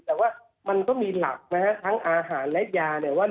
แต่ว่ามันก็มีหลักทั้งอาหารและยาว่า